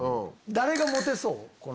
誰がモテそう？